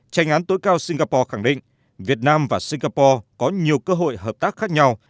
tranh án tối cao singapore khẳng định việt nam và singapore có nhiều cơ hội hợp tác khác nhau